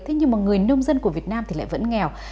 thế nhưng mà người nông dân của việt nam thì lại vẫn nghèo